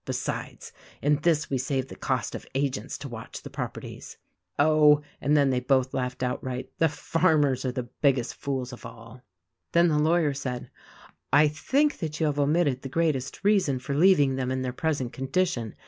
Besides, in this we save the cost of agents to watch the properties. ii2 THE RECORDING ANGEL Oh," and then they both laughed outright, "the farmers are the biggest fools of all." Then the lawyer said, "I think that you have omitted the greatest reason for leaving them in their present condi tion.